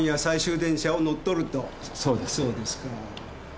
そうですか。